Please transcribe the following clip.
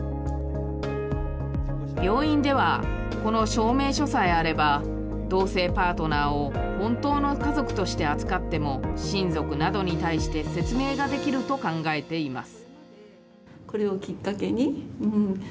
病院では、この証明書さえあれば、同性パートナーを本当の家族として扱っても、親族などに対して説明ができると考えています。